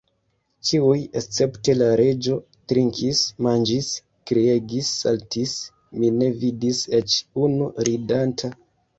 Ĉiuj, escepte la Reĝo, trinkis, manĝis, kriegis, saltis: mi ne vidis eĉ unu ridanta.